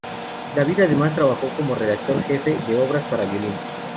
David además trabajó como redactor jefe de obras para violín.